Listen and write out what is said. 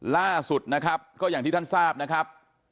ล่าสุดนะครับก็อย่างที่ท่านทราบนะครับ